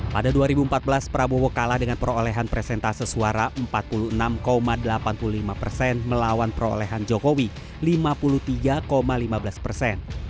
pada dua ribu empat belas prabowo kalah dengan perolehan presentase suara empat puluh enam delapan puluh lima persen melawan perolehan jokowi lima puluh tiga lima belas persen